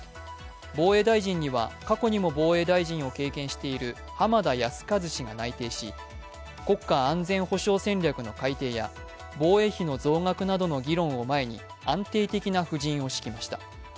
防衛大臣には過去にも防衛大臣を経験している浜田靖一氏が内定し国家安全保障の改定や防衛費の増額などの議論を前に安定的な布陣を敷きました。